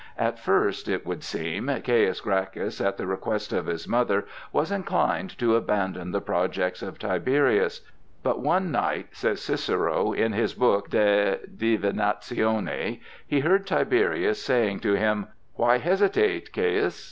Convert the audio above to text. At first, it would seem, Caius Gracchus at the request of his mother, was inclined to abandon the projects of Tiberius; but one night, says Cicero in his book De Divinatione, he heard Tiberius saying to him: "Why hesitate, Caius?